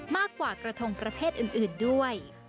มากกว่ากระทงประเภทอื่นด้วย